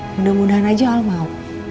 mudah mudahan aja al mau